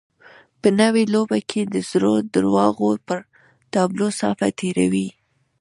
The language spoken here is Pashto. په نوې لوبه کې د زړو درواغو پر تابلو صافه تېروي.